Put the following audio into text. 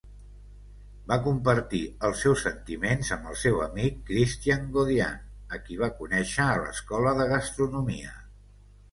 Va compartir els seus sentiments amb el seu amic Christian Gaudian a qui va conèixer a l'escola de gastronomia.